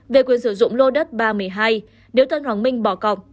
về quyền sử dụng lô đất ba trăm một mươi hai nếu tân hoàng minh bỏ cọc